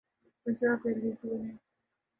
گزشتہ ہفتے ریلیز ہونے